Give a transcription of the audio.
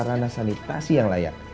harana sanitasi yang layak